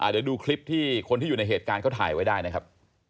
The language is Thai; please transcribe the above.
เดี๋ยวดูคลิปที่คนที่อยู่ในเหตุการณ์เขาถ่ายไว้ได้นะครับ